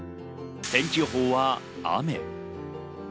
天気予報は雨。